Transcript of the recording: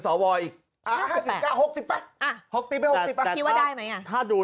สวอีกอ่ะ๕๙๖๐ป่ะอ่ะหกตีไม่๖๐ป่ะคิดว่าได้ไหมอ่ะถ้าดู